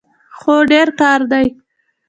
هو، ډیر کار دی